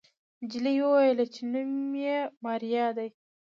نجلۍ وويل چې نوم يې ماريا دی.